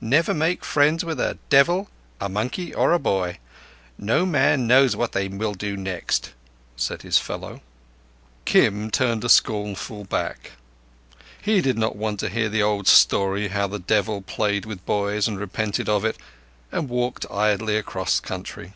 "Never make friends with the Devil, a Monkey, or a Boy. No man knows what they will do next," said his fellow. Kim turned a scornful back—he did not want to hear the old story how the Devil played with the boys and repented of it and walked idly across country.